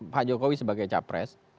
pak jokowi sebagai capres